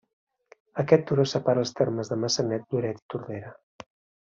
Aquest turó separa els termes de Maçanet, Lloret i Tordera.